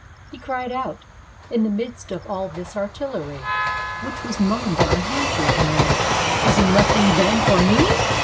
" He cried out in the midst of all this artillery which was mowing down a handful of men : "Is there nothing, then, for me?